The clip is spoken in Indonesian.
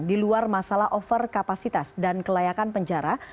di luar masalah over kapasitas dan kelayakan penjara